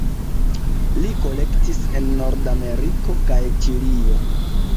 Li kolektis en Nordameriko kaj Ĉilio.